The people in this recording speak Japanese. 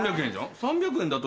３００円だと。